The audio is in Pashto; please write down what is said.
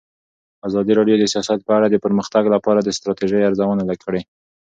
ازادي راډیو د سیاست په اړه د پرمختګ لپاره د ستراتیژۍ ارزونه کړې.